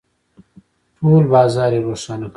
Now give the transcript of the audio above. ، ټول بازار يې روښانه کړی و.